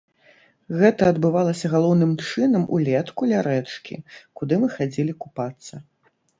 Гэта адбывалася галоўным чынам улетку ля рэчкі, куды мы хадзілі купацца.